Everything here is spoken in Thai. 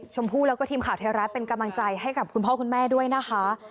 ชมพู่แล้วก็ทีมข่าวไทยรัฐเป็นกำลังใจให้กับคุณพ่อคุณแม่ด้วยนะคะ